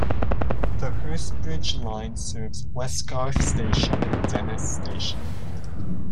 The Hurstbridge Line serves Westgarth Station and Dennis Station.